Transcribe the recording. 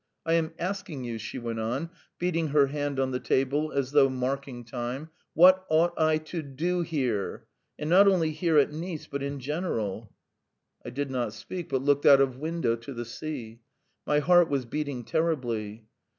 I am asking you," she went on, beating her hand on the table, as though marking time, "what ought I to do here? And not only here at Nice, but in general?" I did not speak, but looked out of window to the sea. My heart was beating terribly.